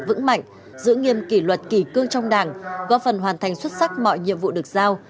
vững mạnh giữ nghiêm kỷ luật kỷ cương trong đảng góp phần hoàn thành xuất sắc mọi nhiệm vụ được giao